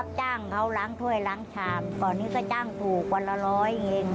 แของเจ้าของผู้สั่ง